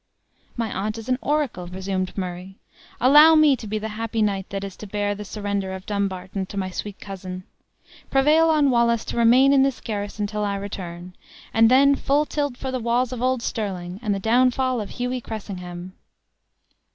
"My aunt is an oracle!" resumed Murray. "Allow me to be the happy knight that is to bear the surrender of Dumbarton to my sweet cousin. Prevail on Wallace to remain in this garrison till I return; and then full tilt for the walls of old Sterling, and the downfall of Hughie Cressingham!"